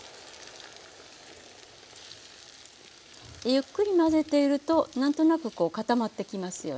ゆっくり混ぜていると何となくこう固まってきますよね。